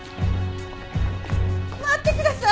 待ってください！